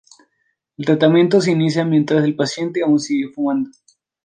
El tratamiento se inicia mientras el paciente aún sigue fumando.